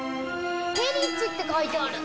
「ペリッチ」って書いてある。